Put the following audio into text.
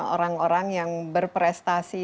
orang orang yang berprestasi